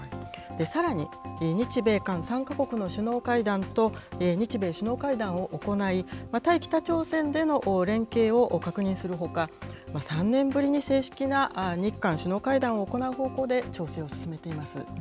さらに、日米韓３か国の首脳会談と日米首脳会談を行い、対北朝鮮での連携を確認するほか、３年ぶりに正式な日韓首脳会談を行う方向で、調整を進めています。